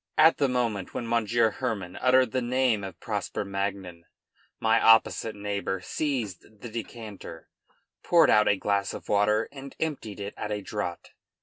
[At the moment when Monsieur Hermann uttered the name of Prosper Magnan, my opposite neighbor seized the decanter, poured out a glass of water, and emptied it at a draught.